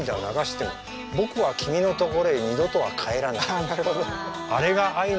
ああなるほど。